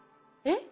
えっ？